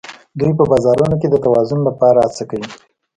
دوی په بازارونو کې د توازن لپاره هڅه کوي